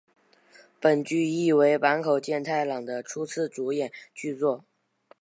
本剧亦为坂口健太郎的初次主演剧作。